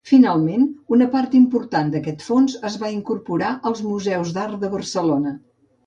Finalment una part important d'aquest fons es va incorporar als Museus d'Art de Barcelona.